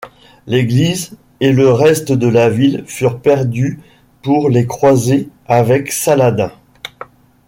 L'église et le reste de la ville furent perdus pour les Croisés avec Saladin.